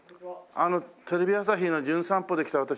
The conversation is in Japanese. テレビ朝日の『じゅん散歩』で来た私